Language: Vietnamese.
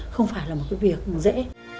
không phải là một cái việc dễ